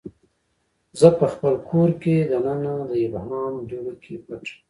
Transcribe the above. زه پخپل کور کې دننه د ابهام دوړو کې پټه